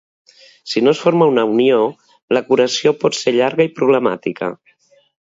Si no es forma una unió, la curació pot ser llarga i problemàtica.